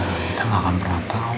kita gak akan pernah tau